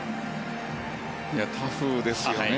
タフですよね。